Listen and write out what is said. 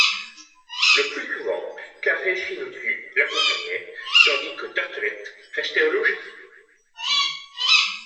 Le plus souvent, Carèfinotu l’accompagnait, tandis que Tartelett restait au logis.